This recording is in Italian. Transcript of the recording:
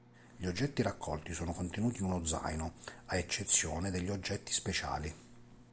Gli oggetti raccolti sono contenuti in uno zaino, a eccezione degli oggetti "speciali".